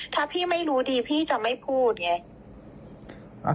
ถ้าพี่ไม่รู้ดีพี่จะไม่พูดไง